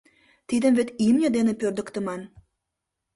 Тидым вет имне дене пӧрдыктыман.